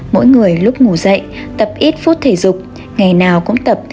mỗi người lúc ngủ dậy tập ít phút thể dục ngày nào cũng tập